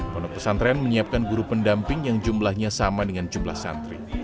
pondok pesantren menyiapkan guru pendamping yang jumlahnya sama dengan jumlah santri